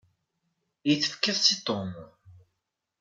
I tefkeḍ-tt i Tom?